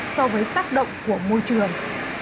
so với tác động của môi trường